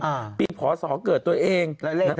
อ่าปีพศเกิดตัวเอง